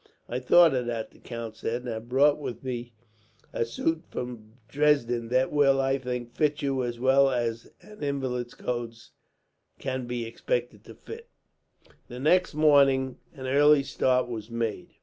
"I thought of that," the count said, "and have brought with me a suit from Dresden that will, I think, fit you as well as an invalid's clothes can be expected to fit." The next morning an early start was made.